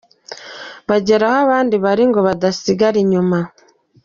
bagere aho abandi bari ngo badasigara inyuma.